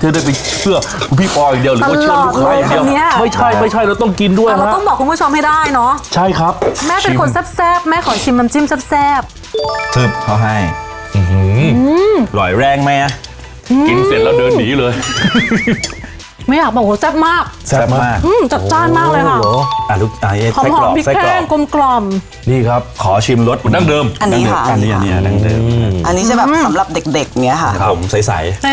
เธอได้เป็นเซื่อคือพี่พองังเดียวหรือว่าเชื่อลูกค้าอย่างเดียวตลาดลูกค้าเนี้ยไม่ใช่ไม่ใช่